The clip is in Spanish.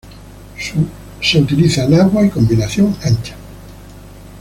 Se utiliza enagua y combinación ancha.